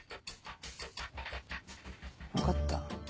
分かった。